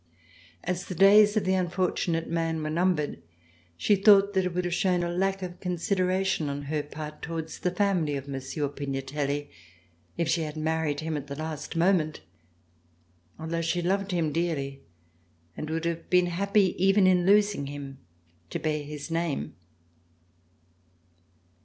As the days of the unfortunate man were numbered, she thought that it would have shown a lack of consideration on her part towards the family of Monsieur Pignatelli, if she had married him at the last moment, although she loved him dearly and would have been happy, even in losing him, to bear his name.